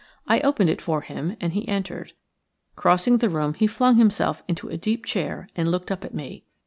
I opened it for him and he entered. Crossing the room he flung himself into a deep chair and looked up at me.